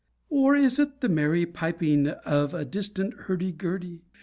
Or is it the merry piping Of a distant hurdy gurdy?